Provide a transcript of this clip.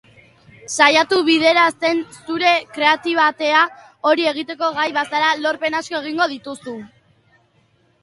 Saiatu bideratzen zure kreatibiatea, hori egiteko gai bazara lorpen asko egingo dituzu.